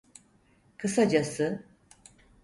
Kısacası…